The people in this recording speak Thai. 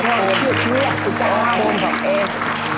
คุณบอกเอฟ